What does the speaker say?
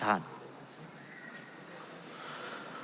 เพราะเรามี๕ชั่วโมงครับท่านนึง